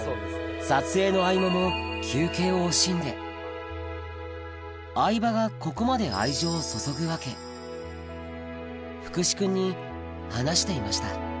撮影の合間も休憩を惜しんで相葉がここまで福士君に話していました